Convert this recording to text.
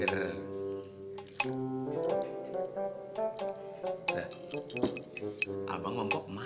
waduh bangun nggak mau